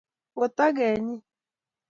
ngotakenyi